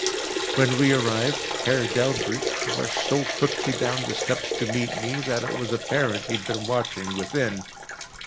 When we arrived, Herr DelbrĂĽck rushed so quickly down the steps to meet me, that it was apparent he had been watching within.